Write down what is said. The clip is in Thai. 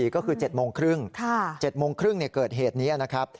ก็คือ๗โมงครึ่ง๗โมงครึ่งเกิดเหตุนี้นะครับ